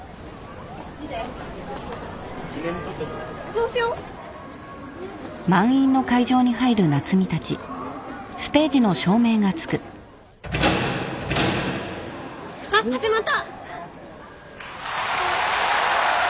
そうしよ！あっ始まった！